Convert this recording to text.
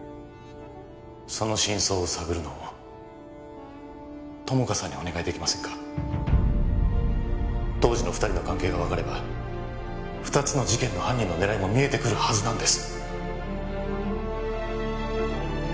その真相を探るのを友果さんにお願いできませんか当時の二人の関係が分かれば二つの事件の犯人の狙いも見えてくるはずなんです